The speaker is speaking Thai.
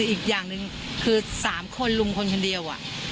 อีกอย่างหนึ่งคือ๓คนลุงคนคนเดียว